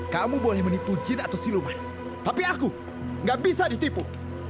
kamu boleh menipu jin atau siluman tapi aku gak bisa ditipu